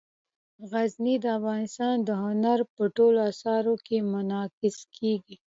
غزني د افغانستان د هنر په ټولو اثارو کې منعکس کېږي.